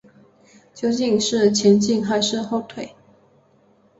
究竟前进还是后退？